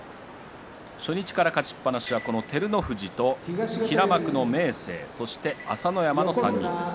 初日から勝ちっぱなしはこの照ノ富士と平幕の明生そして、朝乃山の３人です。